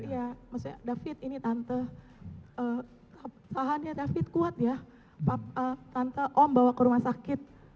iya maksudnya david ini tante sahannya david kuat ya tante om bawa ke rumah sakit